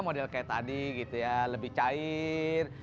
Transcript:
model kayak tadi gitu ya lebih cair